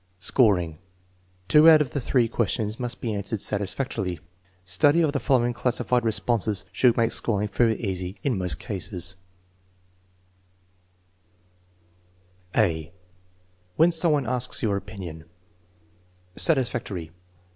Scoring. Two out of the three questions must be answered satisfactorily. Study of the following classified responses should make scoring fairly easy in most cases: (a) When some one asks your opinion Satisfactory.